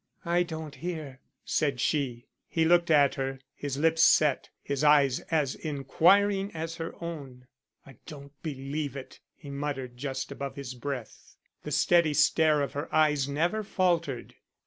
"I don't hear," said she. He looked at her, his lips set, his eyes as inquiring as her own. "I don't believe it," he muttered just above his breath. The steady stare of her eyes never faltered.